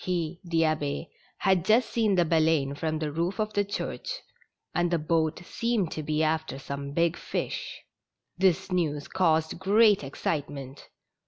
He, the Abbe, had just seen the Baleine from the roof of the church, and the boat seemed to be after some big fish. This news caused great excitement.